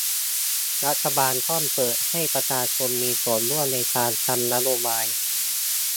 รัฐบาลต้องเปิดให้ประชาชนมีส่วนร่วมในการทำนโยบาย